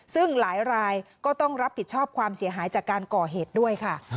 ซึ่งหลายรายก็ต้องรับผิดชอบความเสียหายจากการก่อเหตุด้วยค่ะ